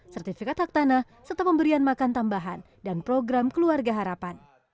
sertifikat hak tanah serta pemberian makan tambahan dan program keluarga harapan